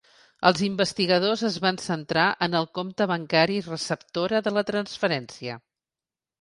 Els investigadors es van centrar en el compte bancari receptora de la transferència.